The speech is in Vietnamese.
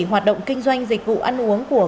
hoạt động kinh doanh dịch vụ ăn uống của